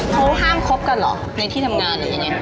เขาห้ามคบกันเหรอในที่ทำงานหรือยังไง